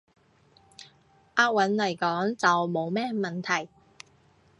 押韻來講，就冇乜問題